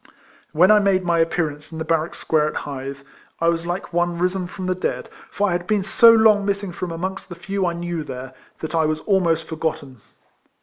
When I made my appearance in the bar rack square at Hythe, I was like one risen from the dead ; for I had been so long miss ing from amongst the few I knew there, that I was almost forgotten.